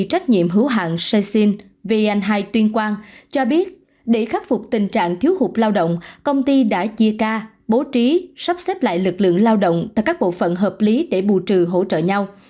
trong một tình trạng thiếu hụt lao động công ty đã chia ca bố trí sắp xếp lại lực lượng lao động tại các bộ phận hợp lý để bù trừ hỗ trợ nhau